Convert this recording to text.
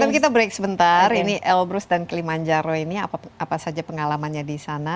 kita break sebentar ini elbrus dan klimanjaro ini apa saja pengalamannya di sana